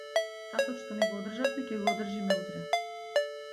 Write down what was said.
Часот што не го одржавме ќе го одржиме утре.